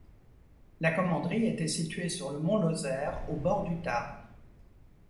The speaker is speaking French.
La commanderie était située sur le mont Lozère, au bord du Tarn.